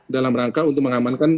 dalam rangka untuk mengamankan